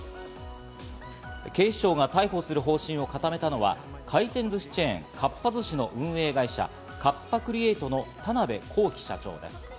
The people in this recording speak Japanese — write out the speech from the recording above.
警視庁が逮捕する方針を固めたのは、回転寿司チェーン・かっぱ寿司の運営会社、カッパ・クリエイトの田辺公己社長です。